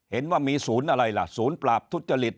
เห็นว่ามีศูนย์อะไรล่ะศูนย์ปราบทุจริต